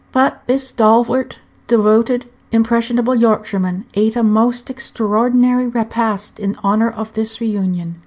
But this stalwart, devoted, impressionable Yorkshireman ate a most extraordinary repast in honor of this reunion.